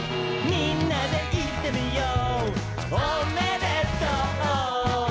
「みんなでいってみよう」